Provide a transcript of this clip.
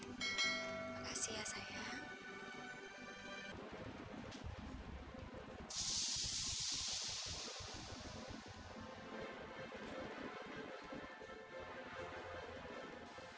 makasih ya sayang